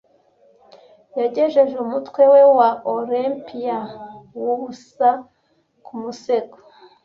yagejeje umutwe we wa olympian wubusa ku musego